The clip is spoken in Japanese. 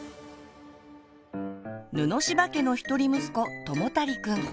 布柴家の一人息子ともたりくん。